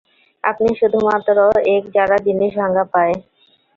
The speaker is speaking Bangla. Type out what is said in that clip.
আপনি শুধুমাত্র এক যারা জিনিস ভাঙ্গা পায়?